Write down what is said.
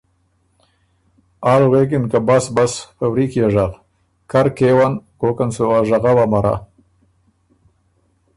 آل غوېکِن که ”بس بس په وریکيې ژغ، کر کېون، کوکن سُو ا ژغؤ امرا“